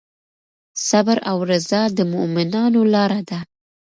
صبر او رضا د مؤمنانو لاره ده.